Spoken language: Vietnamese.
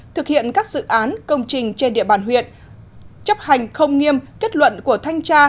thực hiện các dự án công trình trên địa bàn huyện chấp hành không nghiêm kết luận của thanh tra